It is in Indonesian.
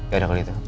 ya udah kalau gitu